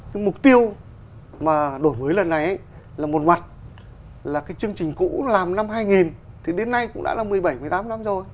cái mục tiêu mà đổi mới lần này là một mặt là cái chương trình cũ làm năm hai nghìn thì đến nay cũng đã là một mươi bảy một mươi tám năm rồi